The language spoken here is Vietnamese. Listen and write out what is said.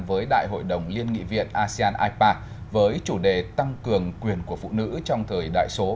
với đại hội đồng liên nghị viện asean ipa với chủ đề tăng cường quyền của phụ nữ trong thời đại số